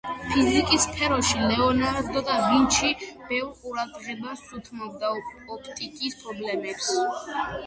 ფიზიკის სფეროში ლეონარდო და ვინჩი ბევრ ყურადღებას უთმობდა ოპტიკის პრობლემებს.